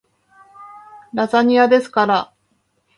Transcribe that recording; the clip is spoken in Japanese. ラザニアですから